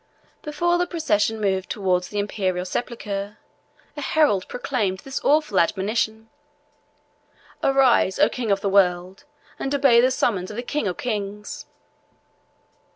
Before the procession moved towards the Imperial sepulchre, a herald proclaimed this awful admonition: "Arise, O king of the world, and obey the summons of the King of kings!"